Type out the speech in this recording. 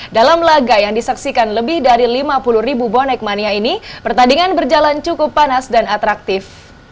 dalam laga yang disaksikan lebih dari lima puluh ribu bonek mania ini pertandingan berjalan cukup panas dan atraktif